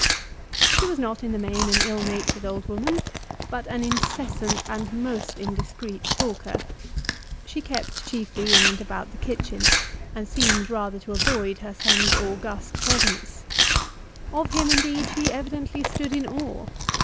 She was not, in the main, an ill natured old woman, but an incessant and most indiscreet talker; she kept chiefly in and about the kitchen, and seemed rather to avoid her son's august presence; of him, indeed, she evidently stood in awe.